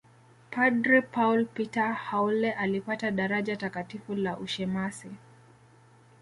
Padre Paul Peter Haule alipata daraja Takatifu la ushemasi